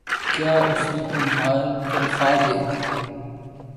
۔کیا اس نے تمہار تنخواہ دیدی؟